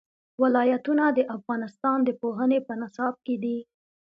ولایتونه د افغانستان د پوهنې په نصاب کې دي.